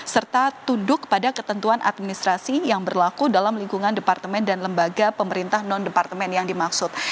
serta tunduk pada ketentuan administrasi yang berlaku dalam lingkungan departemen dan lembaga pemerintah non departemen yang dimaksud